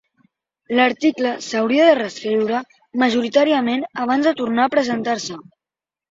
L'article s'hauria de reescriure majoritàriament abans de tornar a presentar-se.